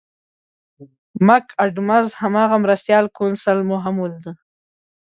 مک اډمز هماغه مرستیال کونسل مو هم ولید.